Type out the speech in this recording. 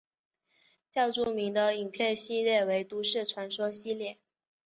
较著名的影片系列为都市传说系列。